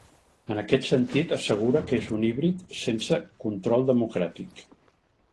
En aquest sentit, assegura que és un híbrid sense ‘control democràtic.’